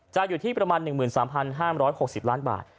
จะอยู่ที่ประมาณ๑๓๕๖๐ล้านบาท